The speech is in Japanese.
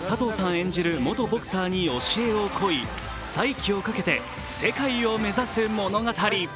演じる元ボクサーに教えを請い再起をかけて世界を目指す物語。